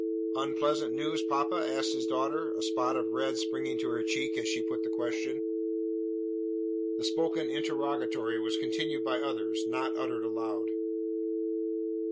"Unpleasant news, papa?" asked his daughter, a spot of red springing to her cheek as she put the question. The spoken interrogatory was continued by others, not uttered aloud.